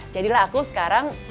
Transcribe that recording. jadilah aku sekarang